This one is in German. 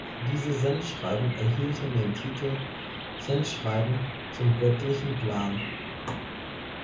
Diese Sendschreiben erhielten den Titel Sendschreiben zum Göttlichen Plan.